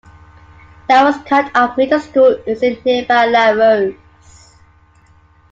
Larose-Cut Off Middle School is in nearby Larose.